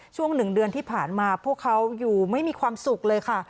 ช่วงหนึ่งเดือนที่ผ่านมาพวกเขาอยู่ไม่มีความสุขเลยค่ะ